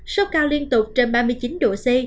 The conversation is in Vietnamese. sốc cao liên tục trên ba mươi chín độ c